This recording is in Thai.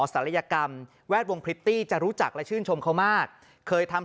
ศัลยกรรมแวดวงพริตตี้จะรู้จักและชื่นชมเขามากเคยทำ